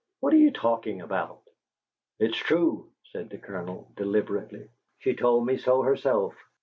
"What are you talking about?" "It's true," said the Colonel, deliberately. "She told me so herself.